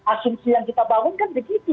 asumsi yang kita bangunkan begitu